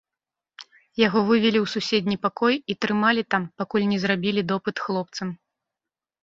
Яго вывелі ў суседні пакой і трымалі там, пакуль не зрабілі допыт хлопцам.